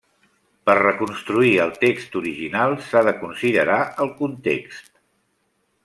Per reconstruir el text original, s'ha de considerar el context.